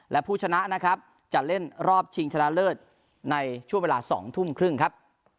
และผู้ชนะนะครับจะเล่นรอบชิงชนะเลิศในช่วงเวลา๒ทุ่มครึ่งครับ